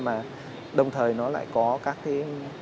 mà đồng thời nó lại có các cái